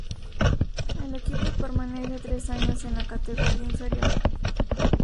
El equipo permanece tres años en la categoría inferior.